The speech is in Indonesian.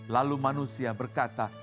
lalu manusia berkata